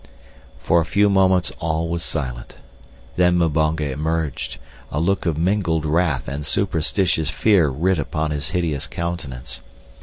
For a few moments all was silent. Then Mbonga emerged, a look of mingled wrath and superstitious fear writ upon his hideous countenance.